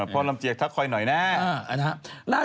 ลำเจียกทักคอยหน่อยแน่